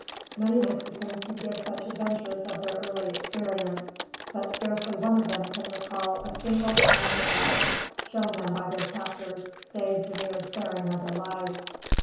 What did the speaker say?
Many Mexicans can give such adventures of their early experience, but scarcely one of them can recall a single kind act shown them by their captors save the mere sparing of their lives.